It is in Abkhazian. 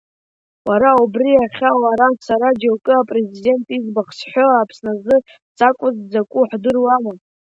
Уара, абри иахьа, уара, сара, џьоукы апрезидент иӡбахә зҳәо, Аԥсназы дзакәыз, дзакәу ҳдыруама?